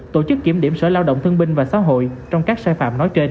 tổ chức kiểm điểm sở lao động thương binh và xã hội trong các sai phạm nói trên